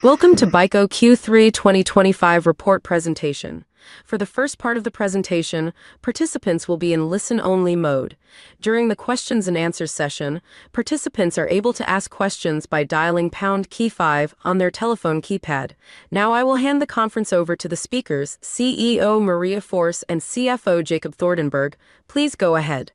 Welcome to BICO Q3 2025 report presentation. For the first part of the presentation, participants will be in listen-only mode. During the questions-and-answers session, participants are able to ask questions by dialing pound key 5 on their telephone keypad. Now, I will hand the conference over to the speakers, CEO Maria Forss and CFO Jacob Thordenberg. Please go ahead.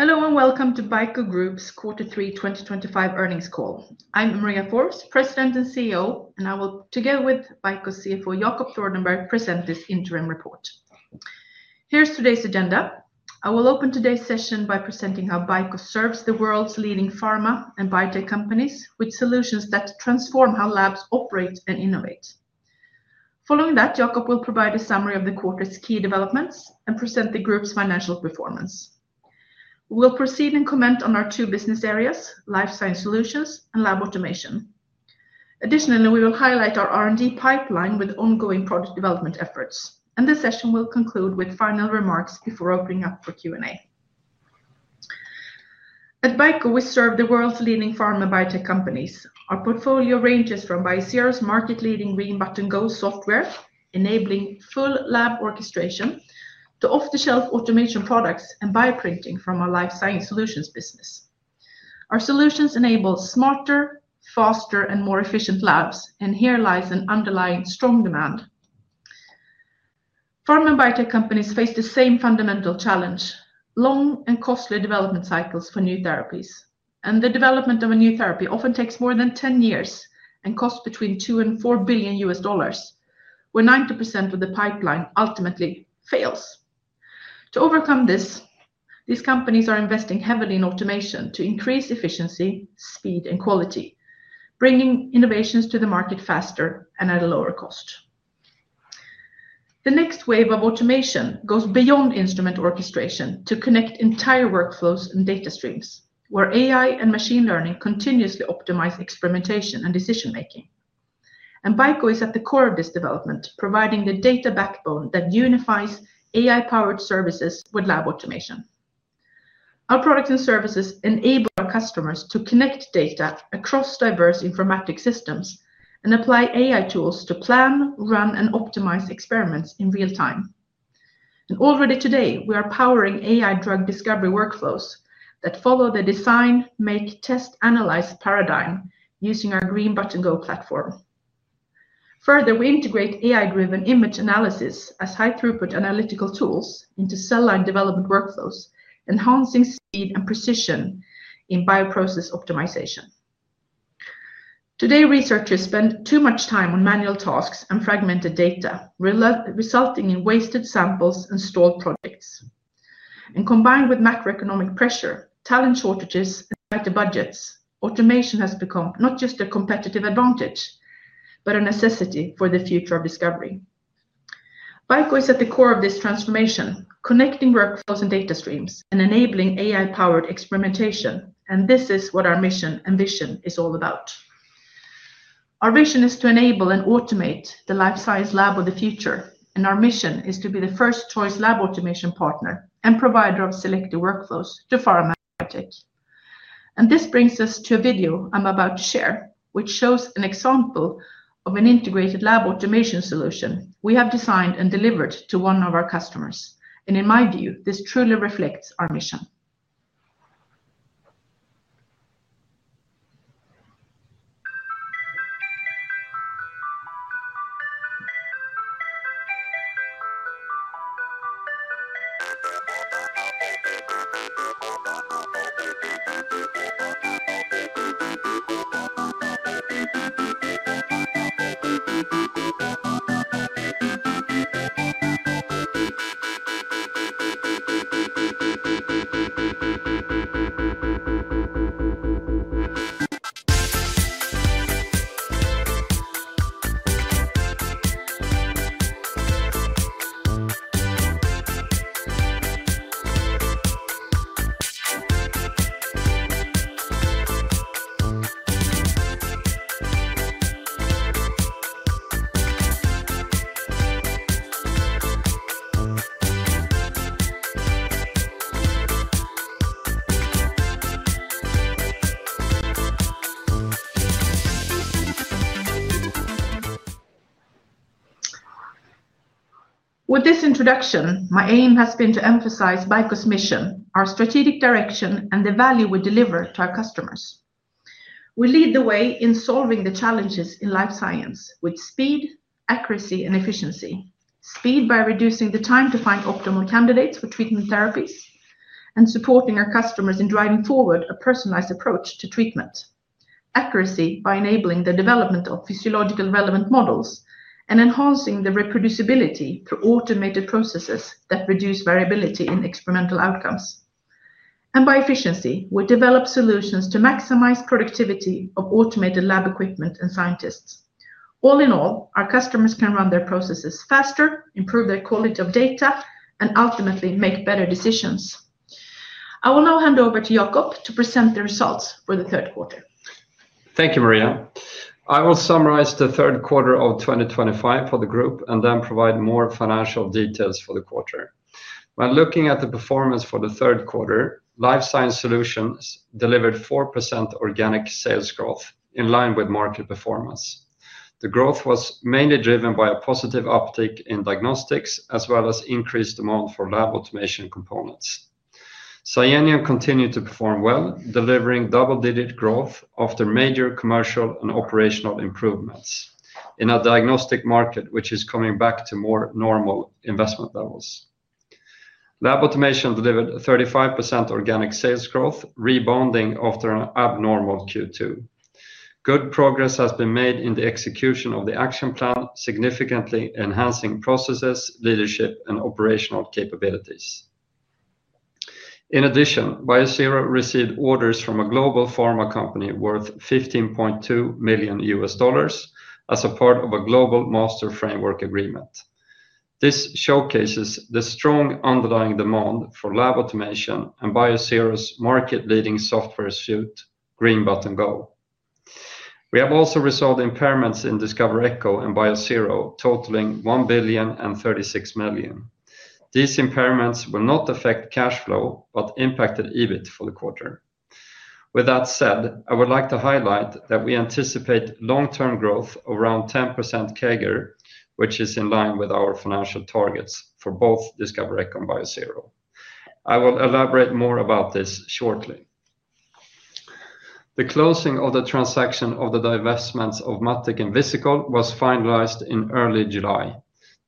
Hello and welcome to BICO Group's Q3 2025 earnings call. I'm Maria Forss, President and CEO, and I will, together with BICO's CFO Jacob Thordenberg, present this interim report. Here's today's agenda. I will open today's session by presenting how BICO serves the world's leading pharma and biotech companies with solutions that transform how labs operate and innovate. Following that, Jacob will provide a summary of the quarter's key developments and present the group's financial performance. We'll proceed and comment on our two business areas: life science solutions and lab automation. Additionally, we will highlight our R&D pipeline with ongoing product development efforts. This session will conclude with final remarks before opening up for Q&A. At BICO, we serve the world's leading pharma biotech companies. Our portfolio ranges from BICO's market-leading Green Button Go software, enabling full lab orchestration, to off-the-shelf automation products and bioprinting from our life science solutions business. Our solutions enable smarter, faster, and more efficient labs, and here lies an underlying strong demand. Pharma and biotech companies face the same fundamental challenge: long and costly development cycles for new therapies. The development of a new therapy often takes more than 10 years and costs between $2 billion-$4 billion, where 90% of the pipeline ultimately fails. To overcome this, these companies are investing heavily in automation to increase efficiency, speed, and quality, bringing innovations to the market faster and at a lower cost. The next wave of automation goes beyond instrument orchestration to connect entire workflows and data streams, where AI and machine learning continuously optimize experimentation and decision-making. BICO is at the core of this development, providing the data backbone that unifies AI-powered services with lab automation. Our products and services enable our customers to connect data across diverse informatics systems and apply AI tools to plan, run, and optimize experiments in real time. Already today, we are powering AI drug discovery workflows that follow the design, make, test, analyze paradigm using our Green Button Go platform. Further, we integrate AI-driven image analysis as high-throughput analytical tools into cell line development workflows, enhancing speed and precision in bioprocess optimization. Today, researchers spend too much time on manual tasks and fragmented data, resulting in wasted samples and stalled projects. Combined with macroeconomic pressure, talent shortages, and tighter budgets, automation has become not just a competitive advantage, but a necessity for the future of discovery. BICO is at the core of this transformation, connecting workflows and data streams and enabling AI-powered experimentation. This is what our mission and vision is all about. Our vision is to enable and automate the life science lab of the future. Our mission is to be the first-choice lab automation partner and provider of selective workflows to pharma and biotech. This brings us to a video I'm about to share, which shows an example of an integrated lab automation solution we have designed and delivered to one of our customers. In my view, this truly reflects our mission. With this introduction, my aim has been to emphasize BICO's mission, our strategic direction, and the value we deliver to our customers. We lead the way in solving the challenges in life science with speed, accuracy, and efficiency. Speed by reducing the time to find optimal candidates for treatment therapies and supporting our customers in driving forward a personalized approach to treatment. Accuracy by enabling the development of physiologically relevant models and enhancing the reproducibility through automated processes that reduce variability in experimental outcomes. By efficiency, we develop solutions to maximize productivity of automated lab equipment and scientists. All in all, our customers can run their processes faster, improve their quality of data, and ultimately make better decisions. I will now hand over to Jacob to present the results for the third quarter. Thank you, Maria. I will summarize the third quarter of 2025 for the group and then provide more financial details for the quarter. When looking at the performance for the third quarter, Life Science Solutions delivered 4% organic sales growth in line with market performance. The growth was mainly driven by a positive uptick in diagnostics as well as increased demand for lab automation components. CYTENA continued to perform well, delivering double-digit growth after major commercial and operational improvements in a diagnostic market, which is coming back to more normal investment levels. Lab Automation delivered 35% organic sales growth, rebounding after an abnormal Q2. Good progress has been made in the execution of the action plan, significantly enhancing processes, leadership, and operational capabilities. In addition, Biosero received orders from a global pharma company worth $15.2 million as a part of a global master framework agreement. This showcases the strong underlying demand for lab automation and Biosero's market-leading software suite, Green Button Go. We have also resolved impairments in Discover Echo and Biosero, totaling 1 billion and 36 million. These impairments will not affect cash flow, but impacted EBIT for the quarter. With that said, I would like to highlight that we anticipate long-term growth of around 10% CAGR, which is in line with our financial targets for both Discover Echo and Biosero. I will elaborate more about this shortly. The closing of the transaction of the divestments of MatTek and Visikol was finalized in early July.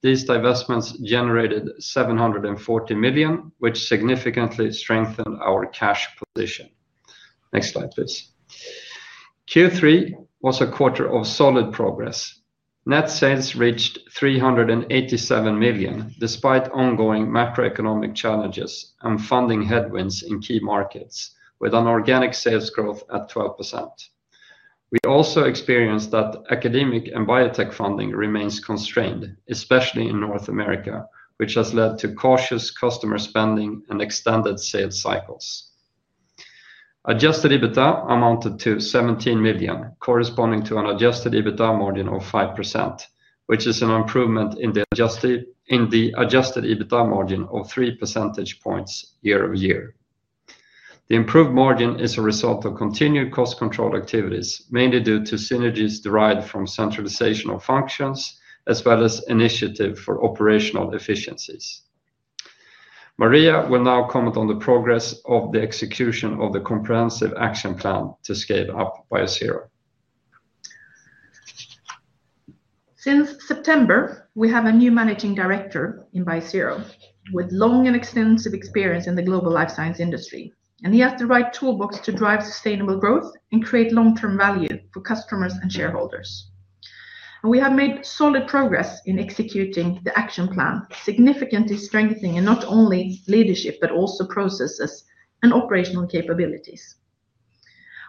These divestments generated 740 million, which significantly strengthened our cash position. Next slide, please. Q3 was a quarter of solid progress. Net sales reached 387 million despite ongoing macroeconomic challenges and funding headwinds in key markets, with an organic sales growth at 12%. We also experienced that academic and biotech funding remains constrained, especially in North America, which has led to cautious customer spending and extended sales cycles. Adjusted EBITDA amounted to 17 million, corresponding to an adjusted EBITDA margin of 5%, which is an improvement in the adjusted EBITDA margin of 3 percentage points year-over-year. The improved margin is a result of continued cost control activities, mainly due to synergies derived from centralization of functions, as well as initiative for operational efficiencies. Maria will now comment on the progress of the execution of the comprehensive action plan to scale up Biosero. Since September, we have a new Managing Director in Biosero with long and extensive experience in the global life science industry. He has the right toolbox to drive sustainable growth and create long-term value for customers and shareholders. We have made solid progress in executing the action plan, significantly strengthening not only leadership but also processes and operational capabilities.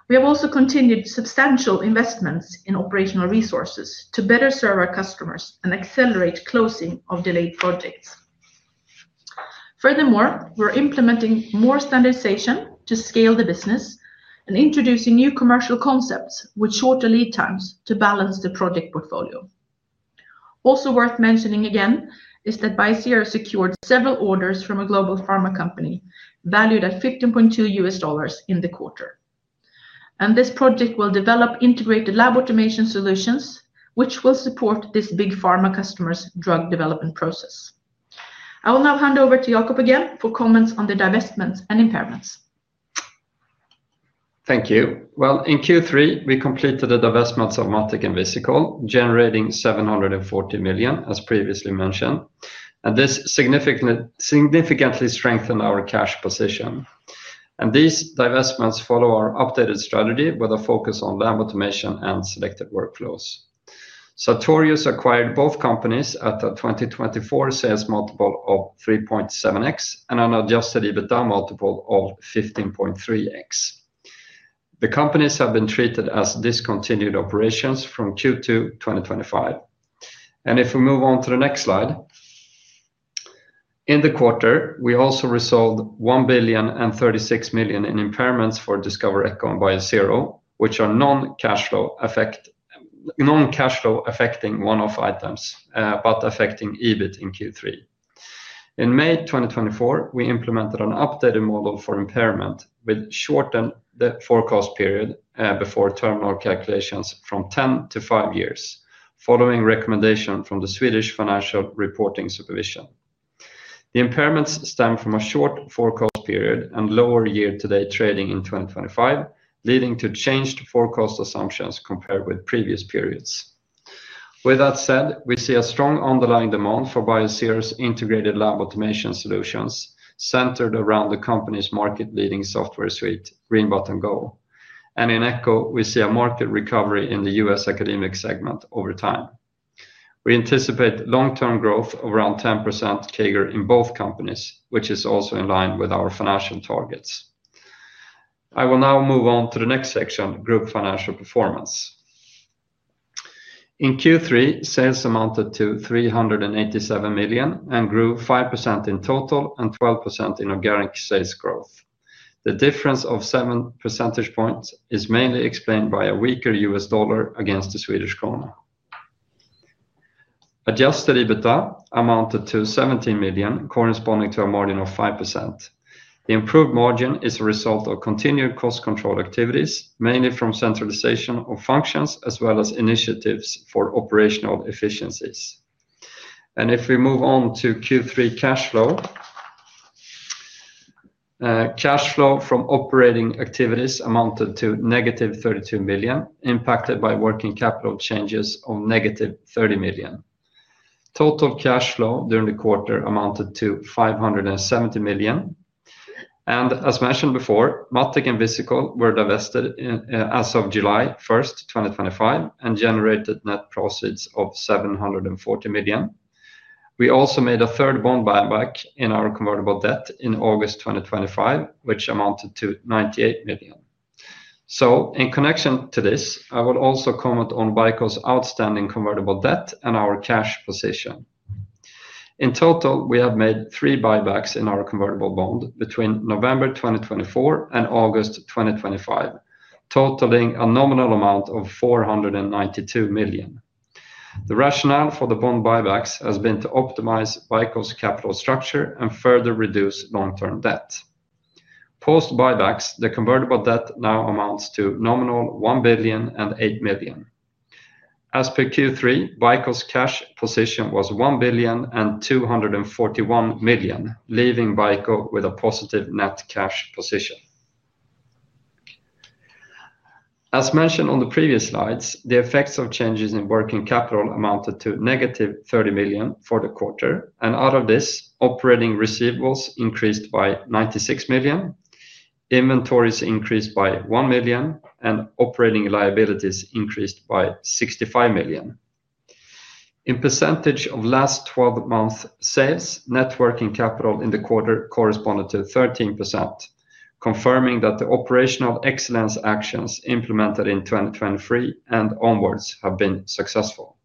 We have also continued substantial investments in operational resources to better serve our customers and accelerate closing of delayed projects. Furthermore, we're implementing more standardization to scale the business and introducing new commercial concepts with shorter lead times to balance the project portfolio. Also worth mentioning again is that Biosero secured several orders from a global pharma company valued at $15.2 million in the quarter. This project will develop integrated lab automation solutions, which will support this big pharma customer's drug development process. I will now hand over to Jacob again for comments on the divestments and impairments. Thank you. In Q3, we completed the divestments of MatTek and Visikol, generating 740 million, as previously mentioned. This significantly strengthened our cash position. These divestments follow our updated strategy with a focus on lab automation and selective workflows. Sartorius acquired both companies at a 2024 sales multiple of 3.7x and an adjusted EBITDA multiple of 15.3x. The companies have been treated as discontinued operations from Q2 2025. If we move on to the next slide. In the quarter, we also resolved 1 billion and 36 million in impairments for Discover Echo and Biosero, which are non-cash flow affecting one-off items, but affecting EBIT in Q3. In May 2024, we implemented an updated model for impairment with a shortened forecast period before terminal calculations from 10-5 years, following recommendation from the Swedish Financial Reporting Supervision. The impairments stem from a short forecast period and lower year-to-date trading in 2025, leading to changed forecast assumptions compared with previous periods. With that said, we see a strong underlying demand for Biosero's integrated lab automation solutions centered around the company's market-leading software suite, Green Button Go. In Echo, we see a market recovery in the U.S. academic segment over time. We anticipate long-term growth of around 10% CAGR in both companies, which is also in line with our financial targets. I will now move on to the next section, group financial performance. In Q3, sales amounted to 387 million and grew 5% in total and 12% in organic sales growth. The difference of 7 percentage points is mainly explained by a weaker US dollar against the Swedish krona. Adjusted EBITDA amounted to 17 million, corresponding to a margin of 5%. The improved margin is a result of continued cost control activities, mainly from centralization of functions as well as initiatives for operational efficiencies. If we move on to Q3 cash flow. Cash flow from operating activities amounted to negative 32 million, impacted by working capital changes of negative 30 million. Total cash flow during the quarter amounted to 570 million. As mentioned before, MatTek and Visikol were divested as of July 1, 2025, and generated net profits of 740 million. We also made a third bond buyback in our convertible debt in August 2025, which amounted to 98 million. In connection to this, I will also comment on BICO's outstanding convertible debt and our cash position. In total, we have made three buybacks in our convertible bond between November 2024 and August 2025, totaling a nominal amount of 492 million. The rationale for the bond buybacks has been to optimize BICO's capital structure and further reduce long-term debt. Post buybacks, the convertible debt now amounts to nominal 1 billion and 8 million. As per Q3, BICO's cash position was 1 billion and 241 million, leaving BICO with a positive net cash position. As mentioned on the previous slides, the effects of changes in working capital amounted to negative 30 million for the quarter. Out of this, operating receivables increased by 96 million, inventories increased by 1 million, and operating liabilities increased by 65 million. In percentage of last 12-month sales, net working capital in the quarter corresponded to 13%. Confirming that the operational excellence actions implemented in 2023 and onwards have been successful.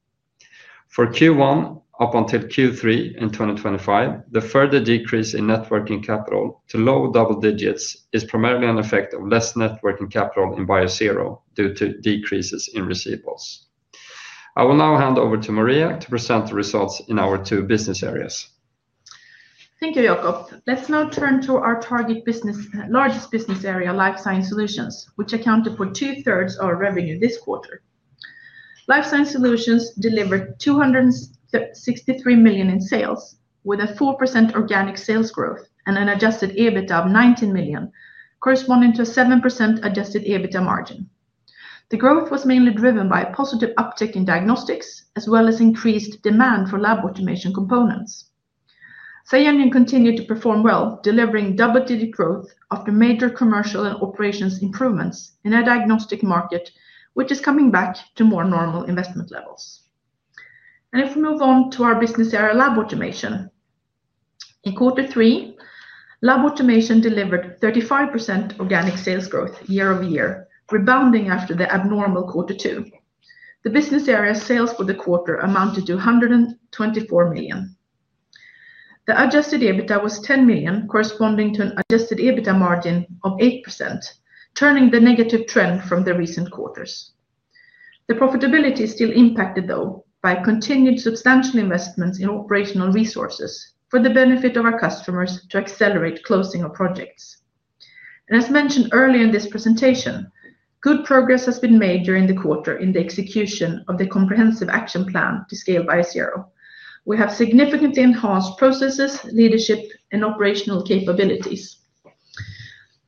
For Q1 up until Q3 in 2025, the further decrease in net working capital to low double digits is primarily an effect of less net working capital in Biosero due to decreases in receivables. I will now hand over to Maria to present the results in our two business areas. Thank you, Jacob. Let's now turn to our target business, largest business area, life science solutions, which accounted for two-thirds of our revenue this quarter. Life science solutions delivered 263 million in sales with a 4% organic sales growth and an adjusted EBITDA of 19 million, corresponding to a 7% adjusted EBITDA margin. The growth was mainly driven by a positive uptick in diagnostics as well as increased demand for lab automation components. Cyanian continued to perform well, delivering double-digit growth after major commercial and operations improvements in our diagnostic market, which is coming back to more normal investment levels. If we move on to our business area lab automation. In quarter three, lab automation delivered 35% organic sales growth year-over-year, rebounding after the abnormal quarter two. The business area sales for the quarter amounted to 124 million. The adjusted EBITDA was 10 million, corresponding to an adjusted EBITDA margin of 8%, turning the negative trend from the recent quarters. The profitability is still impacted, though, by continued substantial investments in operational resources for the benefit of our customers to accelerate closing of projects. As mentioned earlier in this presentation, good progress has been made during the quarter in the execution of the comprehensive action plan to scale Biosero. We have significantly enhanced processes, leadership, and operational capabilities.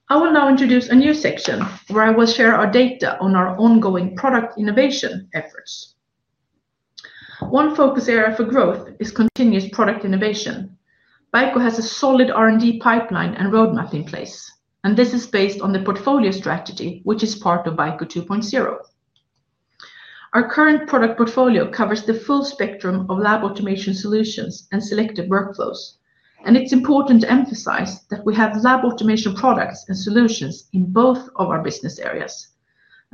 I will now introduce a new section where I will share our data on our ongoing product innovation efforts. One focus area for growth is continuous product innovation. BICO has a solid R&D pipeline and roadmap in place. This is based on the portfolio strategy, which is part of BICO 2.0. Our current product portfolio covers the full spectrum of lab automation solutions and selective workflows. It's important to emphasize that we have lab automation products and solutions in both of our business areas.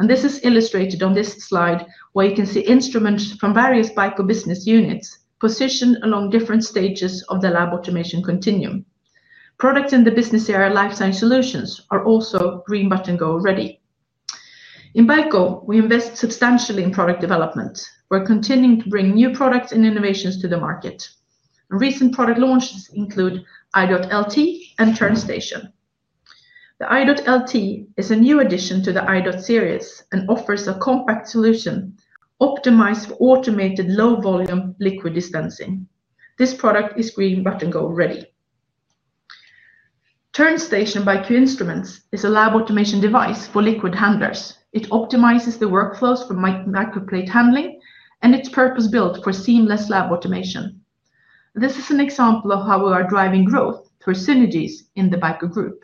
This is illustrated on this slide, where you can see instruments from various BICO business units positioned along different stages of the lab automation continuum. Products in the business area life science solutions are also Green Button Go ready. In BICO, we invest substantially in product development. We're continuing to bring new products and innovations to the market. Recent product launches include I.DOT LT and TurnStation. The I.DOT LT is a new addition to the I.DOT series and offers a compact solution optimized for automated low-volume liquid dispensing. This product is Green Button Go ready. TurnStation by QInstruments is a lab automation device for liquid handlers. It optimizes the workflows for microplate handling, and it's purpose-built for seamless lab automation. This is an example of how we are driving growth through synergies in the BICO group.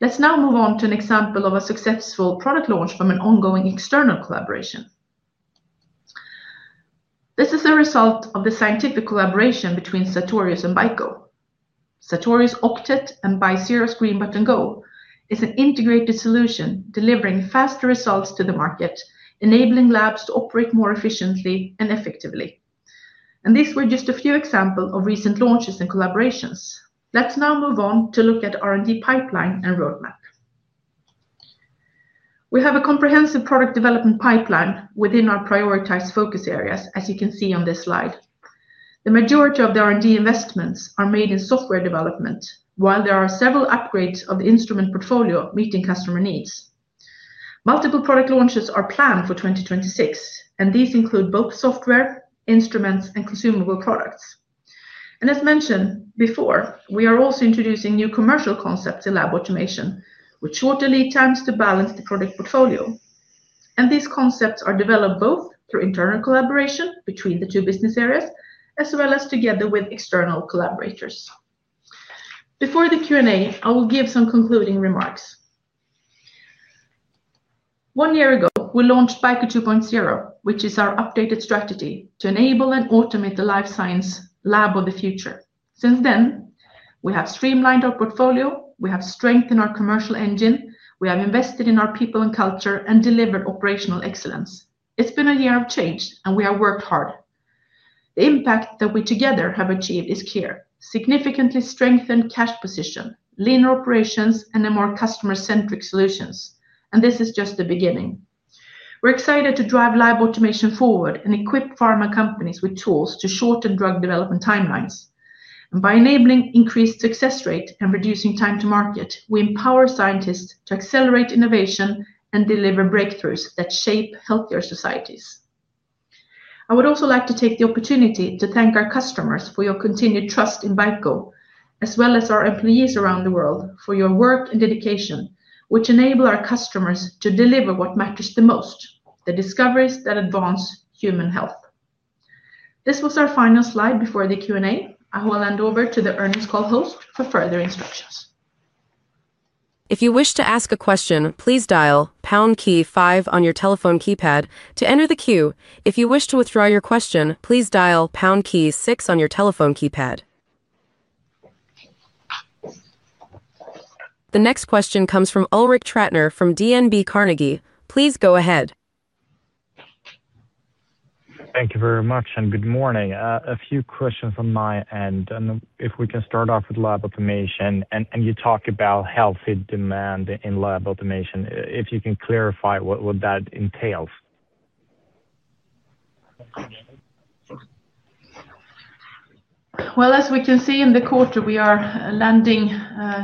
Let's now move on to an example of a successful product launch from an ongoing external collaboration. This is a result of the scientific collaboration between Sartorius and BICO. Sartorius Octet and Biosero's Green Button Go is an integrated solution delivering faster results to the market, enabling labs to operate more efficiently and effectively. These were just a few examples of recent launches and collaborations. Let's now move on to look at the R&D pipeline and roadmap. We have a comprehensive product development pipeline within our prioritized focus areas, as you can see on this slide. The majority of the R&D investments are made in software development, while there are several upgrades of the instrument portfolio meeting customer needs. Multiple product launches are planned for 2026, and these include both software, instruments, and consumable products. As mentioned before, we are also introducing new commercial concepts in lab automation, with shorter lead times to balance the product portfolio. These concepts are developed both through internal collaboration between the two business areas, as well as together with external collaborators. Before the Q&A, I will give some concluding remarks. One year ago, we launched BICO 2.0, which is our updated strategy to enable and automate the life science lab of the future. Since then, we have streamlined our portfolio. We have strengthened our commercial engine. We have invested in our people and culture and delivered operational excellence. It's been a year of change, and we have worked hard. The impact that we together have achieved is clear: significantly strengthened cash position, leaner operations, and more customer-centric solutions. This is just the beginning. We're excited to drive lab automation forward and equip pharma companies with tools to shorten drug development timelines. By enabling increased success rate and reducing time to market, we empower scientists to accelerate innovation and deliver breakthroughs that shape healthier societies. I would also like to take the opportunity to thank our customers for your continued trust in BICO, as well as our employees around the world for your work and dedication, which enable our customers to deliver what matters the most: the discoveries that advance human health. This was our final slide before the Q&A. I will hand over to the Ernest Cowell host for further instructions. If you wish to ask a question, please dial pound key five on your telephone keypad to enter the queue. If you wish to withdraw your question, please dial pound key six on your telephone keypad. The next question comes from Ulrik Trattner from DNB Carnegie. Please go ahead. Thank you very much and good morning. A few questions on my end. If we can start off with lab automation and you talk about healthy demand in lab automation, if you can clarify what that entails. As we can see in the quarter, we are landing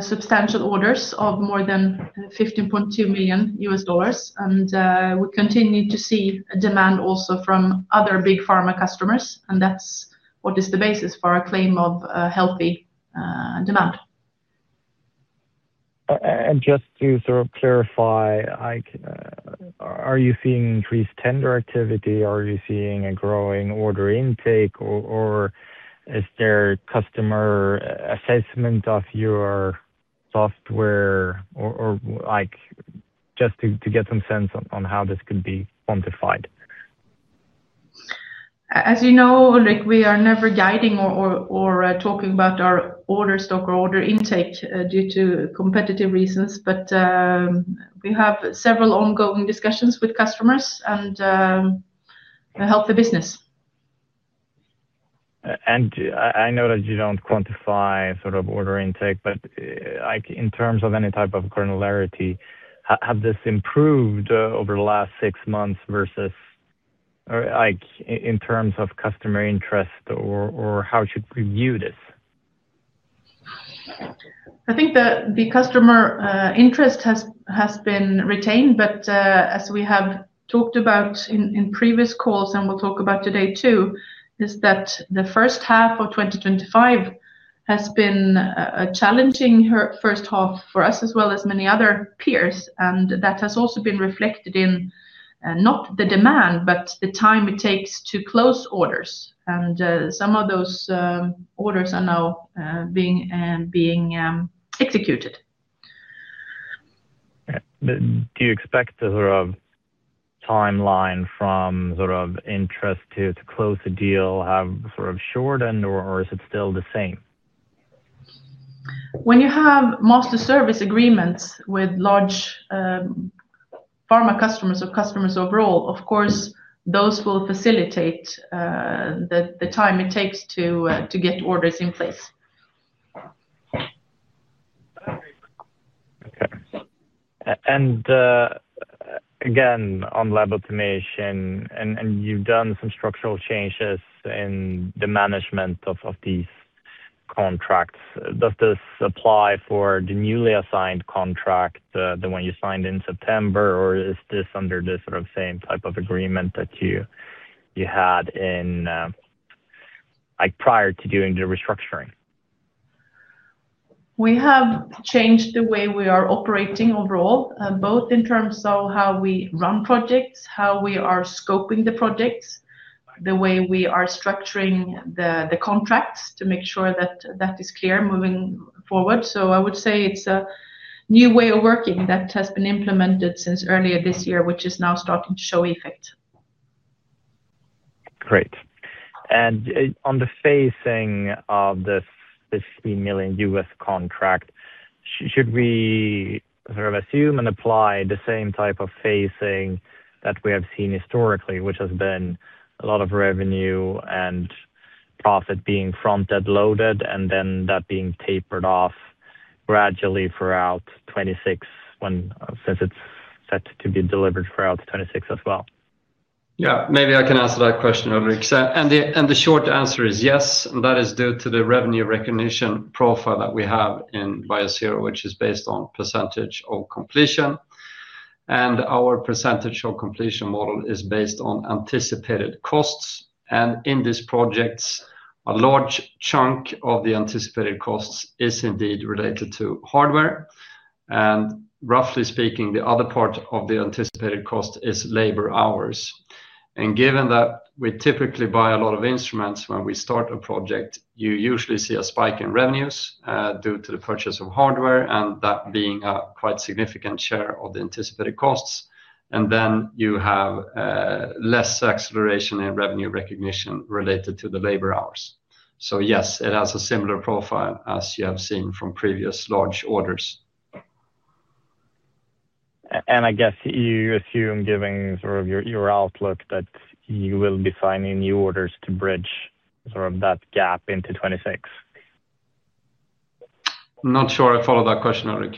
substantial orders of more than $15.2 million. We continue to see demand also from other big pharma customers. That is what is the basis for our claim of healthy demand. Just to sort of clarify. Are you seeing increased tender activity? Are you seeing a growing order intake? Is there customer assessment of your software? Just to get some sense on how this could be quantified. As you know, Ulrik, we are never guiding or talking about our order stock or order intake due to competitive reasons. We have several ongoing discussions with customers and healthy business. I know that you do not quantify sort of order intake, but in terms of any type of granularity, has this improved over the last six months versus? In terms of customer interest or how should we view this? I think that the customer interest has been retained. As we have talked about in previous calls and we will talk about today too, the first half of 2025 has been a challenging first half for us as well as many other peers. That has also been reflected in not the demand, but the time it takes to close orders. Some of those orders are now being executed. Do you expect the sort of timeline from sort of interest to close a deal have sort of shortened or is it still the same? When you have master service agreements with large pharma customers or customers overall, of course, those will facilitate the time it takes to get orders in place. Okay. And again, on lab automation, and you've done some structural changes in the management of these contracts, does this apply for the newly assigned contract, the one you signed in September, or is this under the sort of same type of agreement that you had prior to doing the restructuring? We have changed the way we are operating overall, both in terms of how we run projects, how we are scoping the projects, the way we are structuring the contracts to make sure that is clear moving forward. I would say it's a new way of working that has been implemented since earlier this year, which is now starting to show effect. Great. On the phasing of this $15 million U.S. contract, should we sort of assume and apply the same type of phasing that we have seen historically, which has been a lot of revenue and profit being front-end loaded and then that being tapered off gradually throughout 2026 since it is set to be delivered throughout 2026 as well? Yeah, maybe I can answer that question, Ulrik. The short answer is yes. That is due to the revenue recognition profile that we have in Biosero, which is based on percentage of completion. Our percentage of completion model is based on anticipated costs. In these projects, a large chunk of the anticipated costs is indeed related to hardware. Roughly speaking, the other part of the anticipated cost is labor hours. Given that we typically buy a lot of instruments when we start a project, you usually see a spike in revenues due to the purchase of hardware and that being a quite significant share of the anticipated costs. You have less acceleration in revenue recognition related to the labor hours. Yes, it has a similar profile as you have seen from previous large orders. I guess you assume, given sort of your outlook, that you will be signing new orders to bridge sort of that gap into 2026? I'm not sure I follow that question, Ulrik.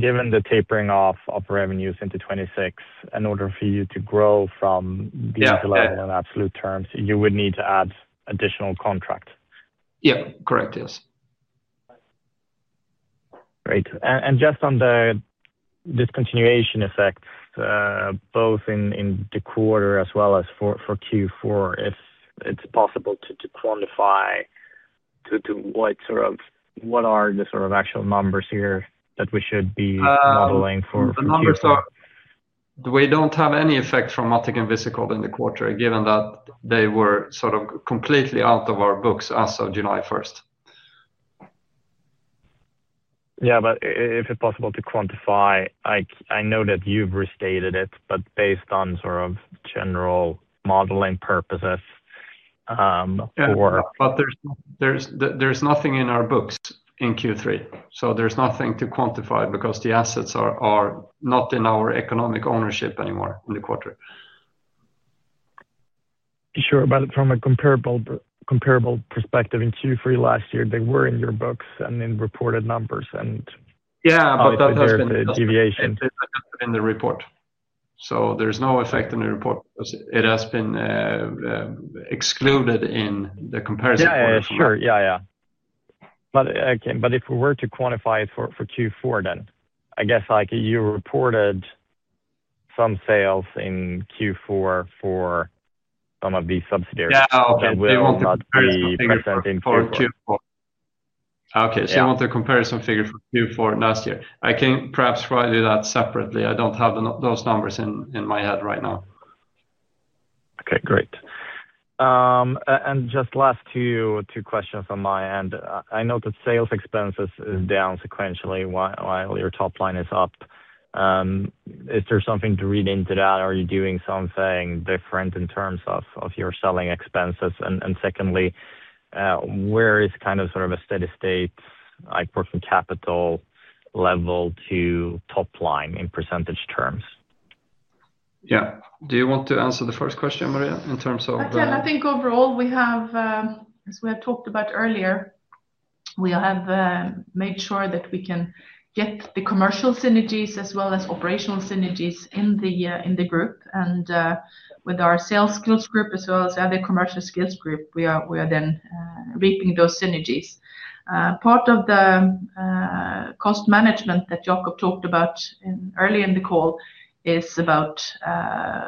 Given the tapering off of revenues into 2026, in order for you to grow from these levels in absolute terms, you would need to add additional contracts? Yeah, correct, yes. Great. Just on the discontinuation effects, both in the quarter as well as for Q4, if it's possible to quantify. What are the sort of actual numbers here that we should be modeling for Q4? The numbers are. We do not have any effect from MatTek and Visikol in the quarter, given that they were sort of completely out of our books as of July 1. Yeah, but if it's possible to quantify, I know that you've restated it, but based on sort of general modeling purposes. There's nothing in our books in Q3. There is nothing to quantify because the assets are not in our economic ownership anymore in the quarter. Sure. From a comparable perspective, in Q3 last year, they were in your books and in reported numbers. Yeah, but that has been the. There is a deviation. That has been the report. There is no effect in the report because it has been excluded in the comparison quarter. Yeah, sure. Yeah. If we were to quantify it for Q4, then I guess you reported some sales in Q4 for some of these subsidiaries that will not be present in Q4. Okay. You want the comparison figure for Q4 last year. I can perhaps write it out separately. I do not have those numbers in my head right now. Okay, great. Just last two questions on my end. I know that sales expenses is down sequentially while your top line is up. Is there something to read into that? Are you doing something different in terms of your selling expenses? Secondly, where is kind of sort of a steady state working capital level to top line in percentage terms? Yeah. Do you want to answer the first question, Maria, in terms of? I think overall, as we have talked about earlier, we have made sure that we can get the commercial synergies as well as operational synergies in the group. With our sales skills group as well as other commercial skills group, we are then reaping those synergies. Part of the cost management that Jacob talked about earlier in the call is about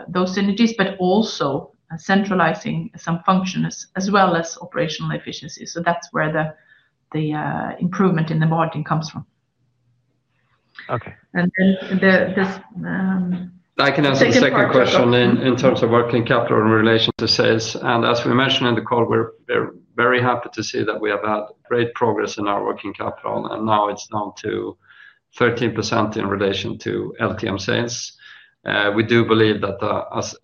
those synergies, but also centralizing some functions as well as operational efficiency. That is where the improvement in the margin comes from. Okay. I can answer the second question in terms of working capital in relation to sales. As we mentioned in the call, we're very happy to see that we have had great progress in our working capital. Now it's down to 13% in relation to LTM sales. We do believe that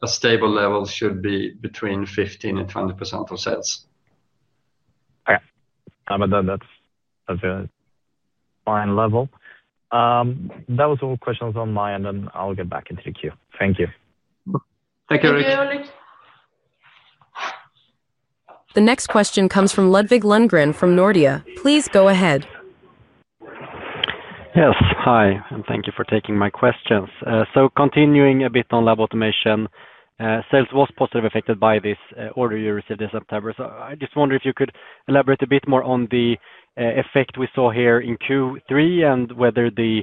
a stable level should be between 15%-20% of sales. Okay. That was all questions on my end, and I'll get back into the queue. Thank you. Thank you, Ulrik. Thank you, Ulrik. The next question comes from Ludvig Lundgren from Nordea. Please go ahead. Yes, hi. Thank you for taking my questions. Continuing a bit on lab automation, sales was positively affected by this order you received in September. I just wonder if you could elaborate a bit more on the effect we saw here in Q3 and whether the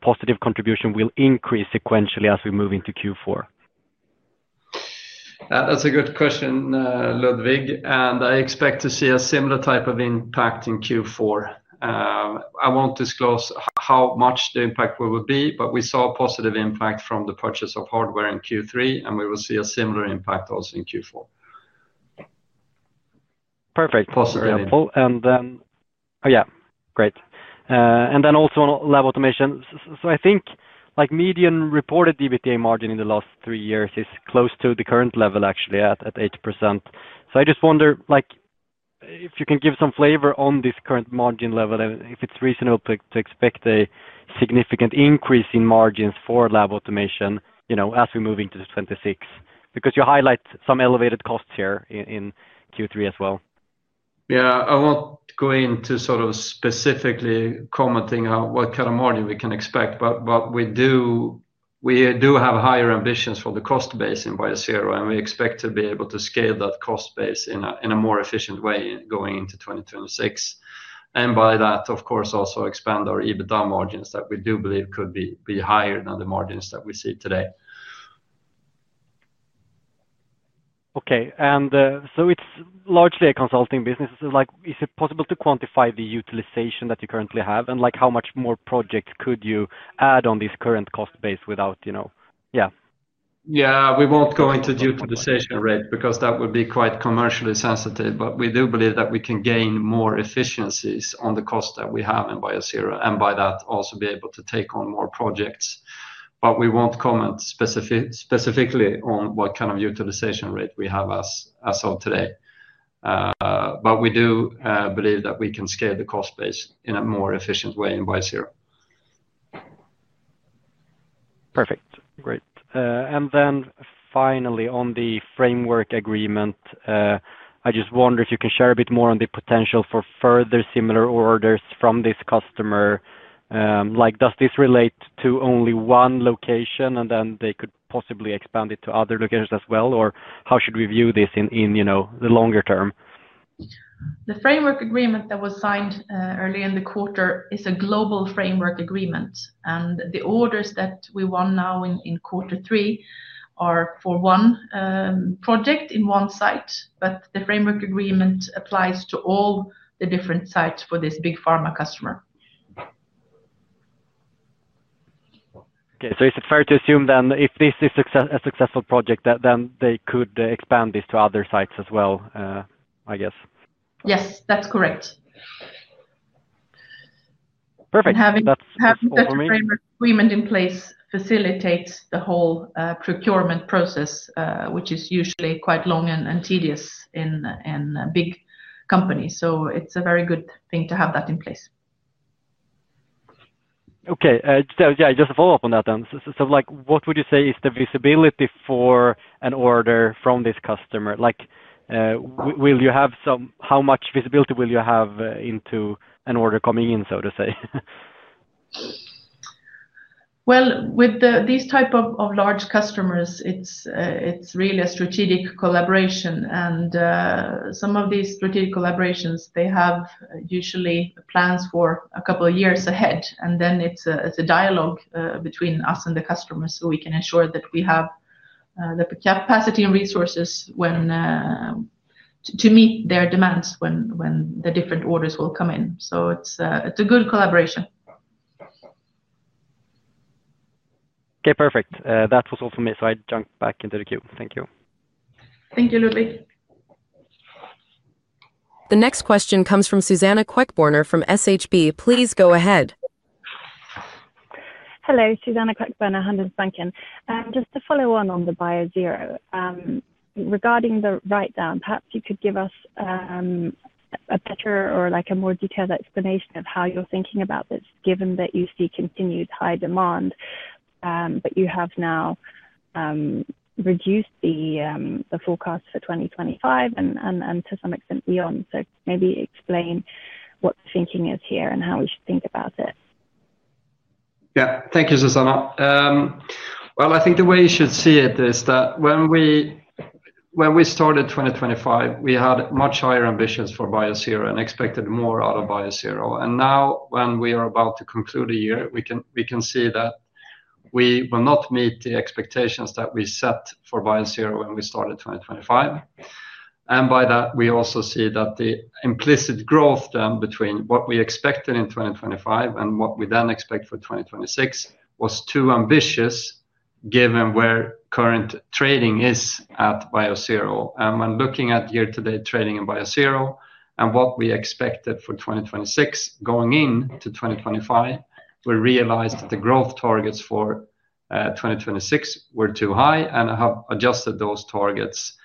positive contribution will increase sequentially as we move into Q4. That's a good question, Ludvig. I expect to see a similar type of impact in Q4. I won't disclose how much the impact will be, but we saw a positive impact from the purchase of hardware in Q3, and we will see a similar impact also in Q4. Perfect. Positive impact. Oh yeah, great. And then also on lab automation. I think median reported EBITDA margin in the last three years is close to the current level, actually, at 8%. I just wonder if you can give some flavor on this current margin level, if it's reasonable to expect a significant increase in margins for lab automation as we move into 2026, because you highlight some elevated costs here in Q3 as well. Yeah, I won't go into sort of specifically commenting on what kind of margin we can expect. We do have higher ambitions for the cost base in Biosero, and we expect to be able to scale that cost base in a more efficient way going into 2026. By that, of course, also expand our EBITDA margins that we do believe could be higher than the margins that we see today. Okay. And so it's largely a consulting business. Is it possible to quantify the utilization that you currently have and how much more projects could you add on this current cost base without, yeah. Yeah, we won't go into utilization rate because that would be quite commercially sensitive. We do believe that we can gain more efficiencies on the cost that we have in Biosero and by that also be able to take on more projects. We won't comment specifically on what kind of utilization rate we have as of today. We do believe that we can scale the cost base in a more efficient way in Biosero. Perfect. Great. Finally, on the framework agreement, I just wonder if you can share a bit more on the potential for further similar orders from this customer. Does this relate to only one location and then they could possibly expand it to other locations as well? How should we view this in the longer term? The framework agreement that was signed earlier in the quarter is a global master framework agreement. The orders that we won now in quarter three are for one project in one site, but the framework agreement applies to all the different sites for this big pharma customer. Okay. Is it fair to assume then if this is a successful project, they could expand this to other sites as well, I guess? Yes, that's correct. Perfect. That's all for me. Having that framework agreement in place facilitates the whole procurement process, which is usually quite long and tedious in big companies. It is a very good thing to have that in place. Okay. Yeah, just a follow-up on that then. What would you say is the visibility for an order from this customer? Will you have some, how much visibility will you have into an order coming in, so to say? With these types of large customers, it's really a strategic collaboration. Some of these strategic collaborations, they have usually plans for a couple of years ahead. Then it's a dialogue between us and the customers so we can ensure that we have the capacity and resources to meet their demands when the different orders will come in. It's a good collaboration. Okay, perfect. That was all for me. I jump back into the queue. Thank you. Thank you, Ludvig. The next question comes from Suzanna Queckbörner from SHB. Please go ahead. Hello, Suzanna Queckbörner, Handelsbanken. Just to follow on on the Biosero. Regarding the write-down, perhaps you could give us a better or a more detailed explanation of how you're thinking about this, given that you see continued high demand. You have now reduced the forecast for 2025 and to some extent beyond. Maybe explain what the thinking is here and how we should think about it. Thank you, Susanna. I think the way you should see it is that when we started 2025, we had much higher ambitions for Biosero and expected more out of Biosero. Now, when we are about to conclude the year, we can see that we will not meet the expectations that we set for Biosero when we started 2025. By that, we also see that the implicit growth then between what we expected in 2025 and what we then expect for 2026 was too ambitious given where current trading is at Biosero. When looking at year-to-date trading in Biosero and what we expected for 2026 going into 2025, we realized that the growth targets for 2026 were too high and have adjusted those targets.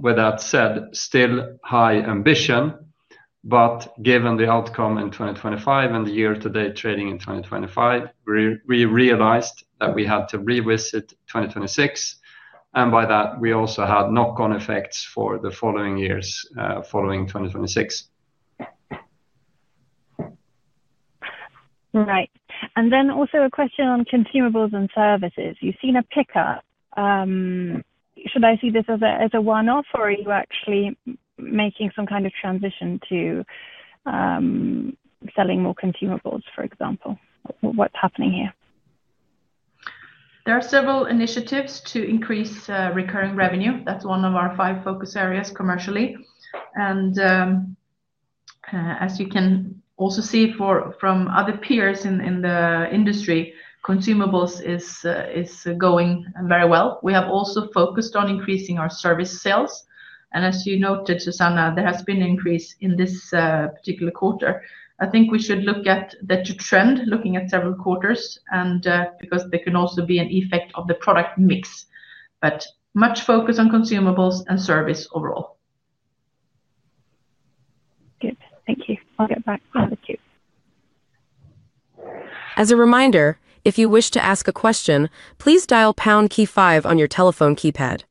With that said, still high ambition. Given the outcome in 2025 and the year-to-date trading in 2025, we realized that we had to revisit 2026. By that, we also had knock-on effects for the following years following 2026. Right. Also a question on consumables and services. You've seen a pickup. Should I see this as a one-off, or are you actually making some kind of transition to selling more consumables, for example? What's happening here? There are several initiatives to increase recurring revenue. That is one of our five focus areas commercially. As you can also see from other peers in the industry, consumables is going very well. We have also focused on increasing our service sales. As you noted, Suzanna, there has been an increase in this particular quarter. I think we should look at the trend, looking at several quarters, because there can also be an effect of the product mix. Much focus on consumables and service overall. Good. Thank you. I'll get back to the queue. As a reminder, if you wish to ask a question, please dial pound-key-5 on your telephone keypad.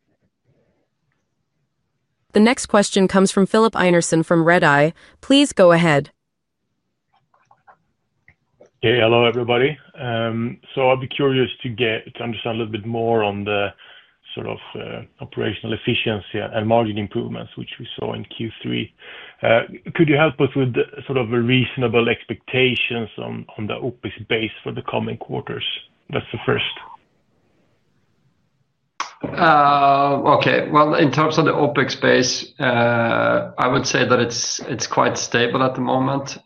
The next question comes from Filip Einarsson from Redeye. Please go ahead. Hello, everybody. I'd be curious to understand a little bit more on the sort of operational efficiency and margin improvements which we saw in Q3. Could you help us with sort of reasonable expectations on the OpEx base for the coming quarters? That's the first. Okay. In terms of the OpEx base, I would say that it's quite stable at the moment.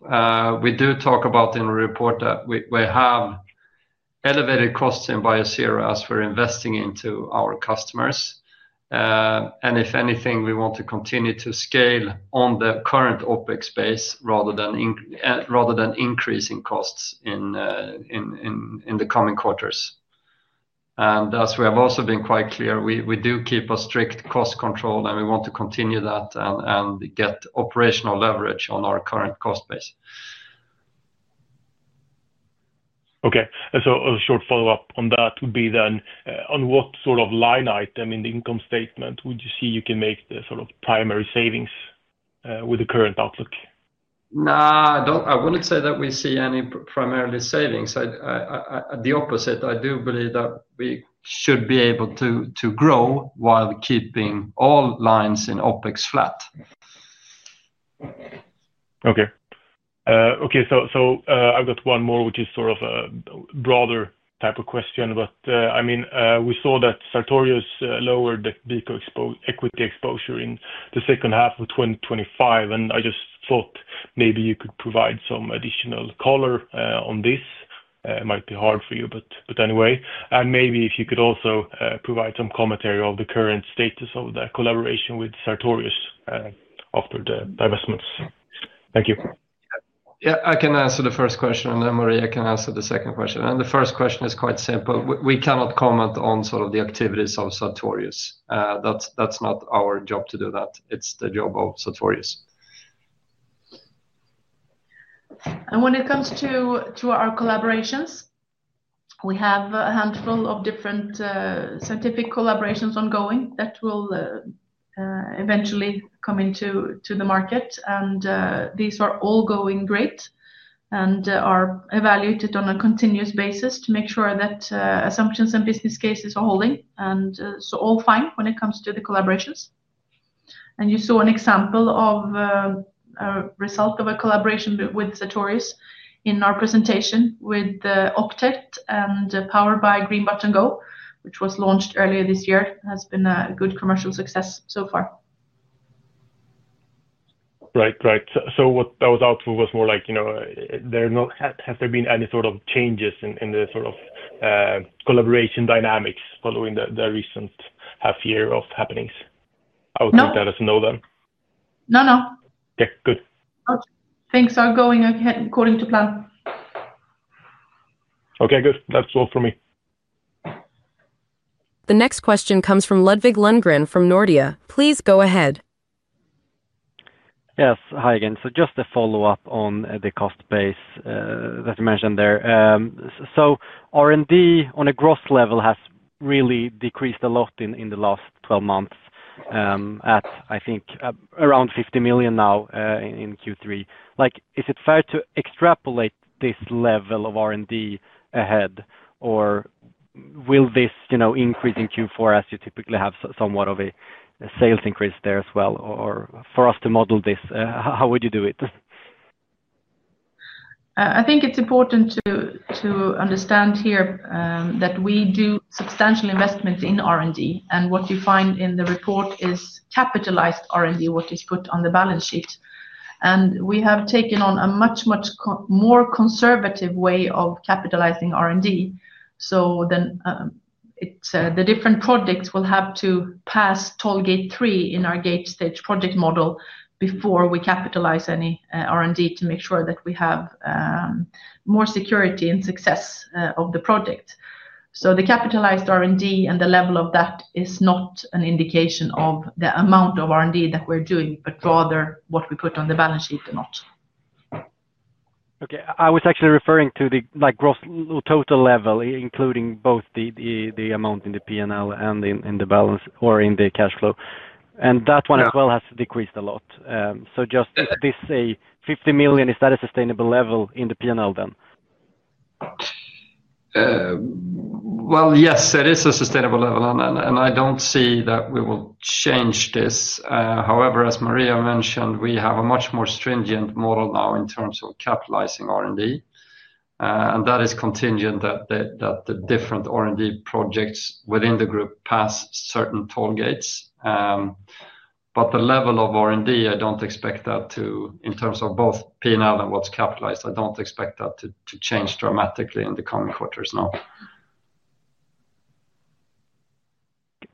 We do talk about in the report that we have elevated costs in Biosero as we're investing into our customers. If anything, we want to continue to scale on the current OpEx base rather than increasing costs in the coming quarters. As we have also been quite clear, we do keep a strict cost control, and we want to continue that and get operational leverage on our current cost base. Okay. A short follow-up on that would be then on what sort of line item in the income statement would you see you can make the sort of primary savings with the current outlook? No, I wouldn't say that we see any primary savings. The opposite. I do believe that we should be able to grow while keeping all lines in OpEx flat. Okay. Okay. I have got one more which is sort of a broader type of question. I mean, we saw that Sartorius lowered the equity exposure in the second half of 2025. I just thought maybe you could provide some additional color on this. It might be hard for you, but anyway. Maybe if you could also provide some commentary on the current status of the collaboration with Sartorius after the divestments. Thank you. Yeah, I can answer the first question, and then Maria can answer the second question. The first question is quite simple. We cannot comment on sort of the activities of Sartorius. That is not our job to do that. It is the job of Sartorius. When it comes to our collaborations, we have a handful of different scientific collaborations ongoing that will eventually come into the market. These are all going great and are evaluated on a continuous basis to make sure that assumptions and business cases are holding. All fine when it comes to the collaborations. You saw an example of a result of a collaboration with Sartorius in our presentation with Octet and powered by Green Button Go, which was launched earlier this year, has been a good commercial success so far. Right, right. What I was out for was more like, have there been any sort of changes in the sort of collaboration dynamics following the recent half-year of happenings? I would like to know them. No, no. Okay, good. Things are going according to plan. Okay, good. That's all for me. The next question comes from Ludvig Lundgren from Nordea. Please go ahead. Yes, hi again. Just a follow-up on the cost base that you mentioned there. R&D on a gross level has really decreased a lot in the last 12 months, at I think around 50 million now in Q3. Is it fair to extrapolate this level of R&D ahead, or will this increase in Q4 as you typically have somewhat of a sales increase there as well? For us to model this, how would you do it? I think it's important to understand here that we do substantial investment in R&D. What you find in the report is capitalized R&D, what is put on the balance sheet. We have taken on a much, much more conservative way of capitalizing R&D. The different projects will have to pass toll gate three in our gate stage project model before we capitalize any R&D to make sure that we have more security and success of the project. The capitalized R&D and the level of that is not an indication of the amount of R&D that we're doing, but rather what we put on the balance sheet or not. Okay. I was actually referring to the gross total level, including both the amount in the P&L and in the balance or in the cash flow. And that one as well has decreased a lot. Just this, say, 50 million, is that a sustainable level in the P&L then? Yes, it is a sustainable level. I do not see that we will change this. However, as Maria mentioned, we have a much more stringent model now in terms of capitalizing R&D. That is contingent that the different R&D projects within the group pass certain toll gates. The level of R&D, I do not expect that to, in terms of both P&L and what is capitalized, I do not expect that to change dramatically in the coming quarters, no.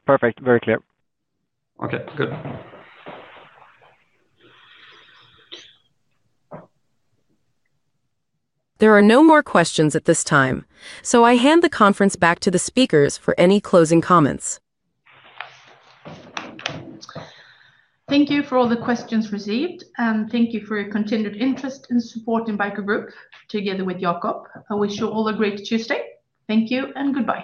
Perfect. Very clear. Okay, good. There are no more questions at this time. I hand the conference back to the speakers for any closing comments. Thank you for all the questions received. Thank you for your continued interest in supporting BICO Group together with Jacob. I wish you all a great Tuesday. Thank you and goodbye.